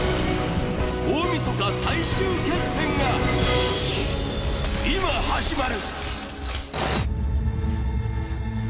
大みそか最終決戦が今、始まる。